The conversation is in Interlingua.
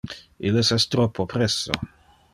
Illes es troppo presso.